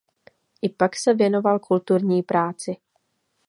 I pak se věnoval kulturní práci.